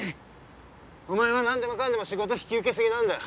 お前は何でもかんでも仕事引き受け過ぎなんだ。